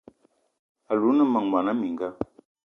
Alou o ne meng mona mininga?